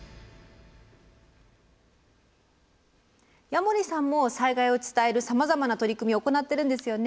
矢守さんも災害を伝えるさまざまな取り組みを行ってるんですよね。